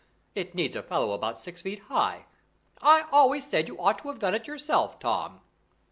It needs a fellow about six feet high; I always said you ought to have done it yourself, Tom."